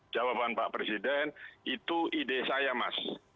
jawaban pak presiden itu ide saya mas